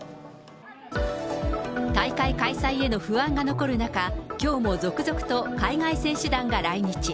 大会開催への不安が残る中、きょうも続々と海外選手団が来日。